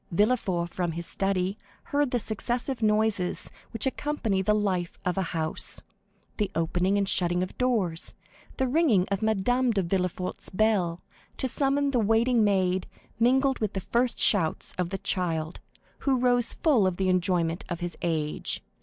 Villefort, from his study, heard the successive noises which accompany the life of a house,—the opening and shutting of doors, the ringing of Madame de Villefort's bell, to summon the waiting maid, mingled with the first shouts of the child, who rose full of the enjoyment of his age.